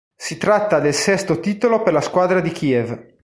Si tratta del sesto titolo per la squadra di Kiev.